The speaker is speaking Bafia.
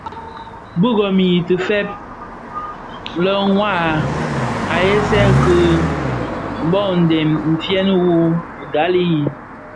Bi gom yi ti feëfëg lè mua aghèsèè ki boo ndem fyeň mü gbali i.